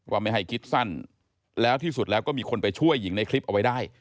ไม่ให้คิดสั้นแล้วที่สุดแล้วก็มีคนไปช่วยหญิงในคลิปเอาไว้ได้